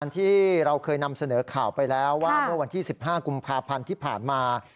ที่เราเคยนำเสนอข่าวไปแล้วว่าเมื่อวันที่๑๕กุมภาพันธ์ที่ผ่านมา